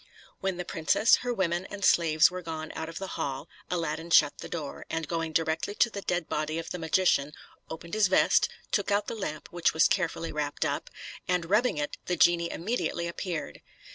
When the princess, her women, and slaves were gone out of the hall, Aladdin shut the door, and going directly to the dead body of the magician, opened his vest, took out the lamp, which was carefully wrapped up, and rubbing it, the genie immediately appeared.